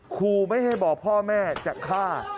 ครูไม่ให้บอกพ่อแม่จะฆ่า